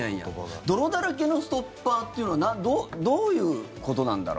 泥だらけのストッパーっていうのはどういうことなんだろう。